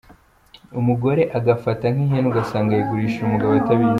Umugore agafata nk’ihene ugasanga yayigurishije umugabo utabizi.